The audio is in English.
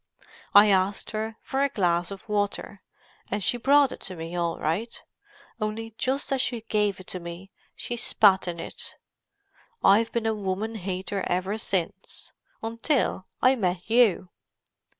I asked her for a glass of water, and she brought it to me all right—only just as she gave it to me she spat in it. I've been a woman hater ever since, until I met you."